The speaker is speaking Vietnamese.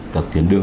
các tiến đường